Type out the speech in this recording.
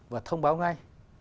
và thông báo ngay